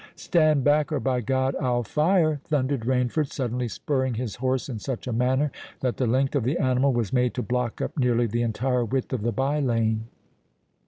"Stand back! or, by God, I'll fire!" thundered Rainford, suddenly spurring his horse in such a manner that the length of the animal was made to block up nearly the entire width of the bye lane.